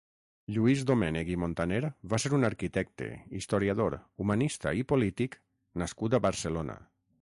Lluís Domènech i Montaner va ser un arquitecte, historiador, humanista i polític nascut a Barcelona.